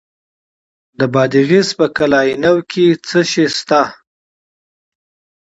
د بادغیس په قلعه نو کې څه شی شته؟